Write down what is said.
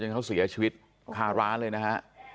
ที่ฉันเสียชีวิตการฆ่าร้านเลยนะฮะ